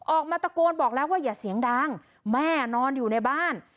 ออกมาตะโกนบอกแล้วว่าอย่าเสียงดังแม่นอนอยู่ในบ้าน